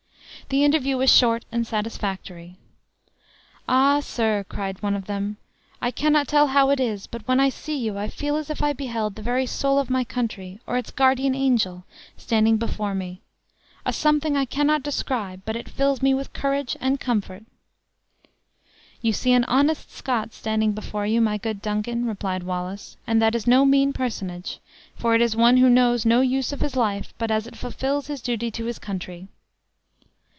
The interview was short and satisfactory. "Ah! sir," cried one of them, "I cannot tell how it is, but when I see you, I feel as if I beheld the very soul of my country, or its guardian angel, standing before me a something I cannot describe, but it fills me with courage and comfort!" "You see an honest Scot standing before you, my good Duncan," replied Wallace; "and that is no mean personage; for it is one who knows no use of his life but as it fulfills his duty to his country!"